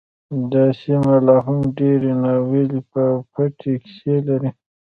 دا سیمه لا هم ډیرې ناوییلې او پټې کیسې لري